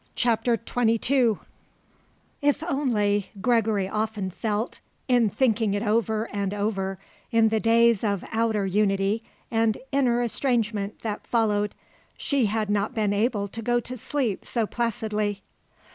CHAPTER XXII If only, Gregory often felt, in thinking it over and over in the days of outer unity and inner estrangement that followed, she had not been able to go to sleep so placidly.